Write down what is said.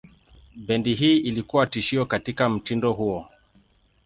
Bendi hii ilikuwa tishio katika mtindo huo.